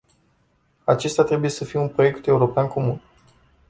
Acesta trebuie să fie un proiect european comun.